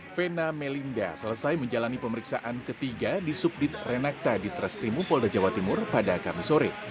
vena melinda selesai menjalani pemeriksaan ketiga di subdit renakta di treskrimum polda jawa timur pada kamis sore